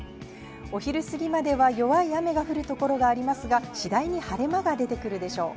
お昼過ぎまでは弱い雨が降る所がありますが次第に晴れ間が出てくるでしょう。